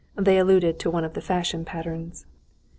They alluded to one of the fashion patterns.